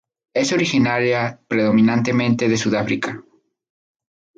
Es originaria predominantemente de Sudáfrica.